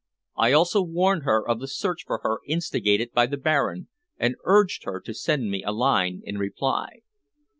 I also warned her of the search for her instigated by the Baron, and urged her to send me a line in reply.